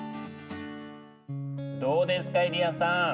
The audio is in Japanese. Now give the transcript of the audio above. どうですかゆりやんさん？